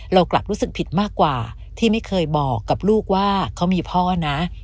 เรากลับรู้สึกผิดมากกว่าที่ไม่เคยบอกกับลูกว่าเขามีพ่อนะ